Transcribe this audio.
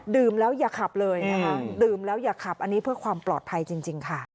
แล้วอย่าขับเลยนะคะดื่มแล้วอย่าขับอันนี้เพื่อความปลอดภัยจริงค่ะ